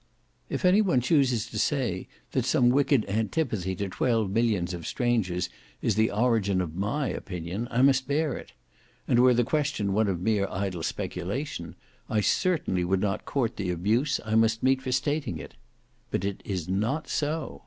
If any one chooses to say that some wicked antipathy to twelve millions of strangers is the origin of my opinion, I must bear it; and were the question one of mere idle speculation, I certainly would not court the abuse I must meet for stating it. But it is not so.